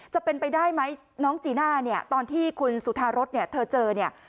จะเป็นไปได้ไหมน้องจีน่าเนี่ยตอนที่คุณสุธารสเนี่ยเธอเจอเนี่ย